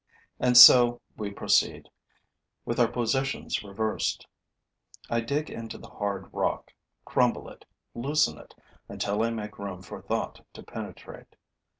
And so we proceed, with our positions reversed. I dig into the hard rock, crumble it, loosen it until I make room for thought to penetrate.